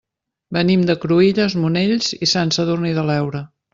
Venim de Cruïlles, Monells i Sant Sadurní de l'Heura.